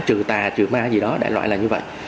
trừ tà trừ ma gì đó đại loại là như vậy